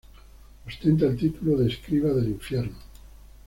Ostenta el título de "Escriba del Infierno".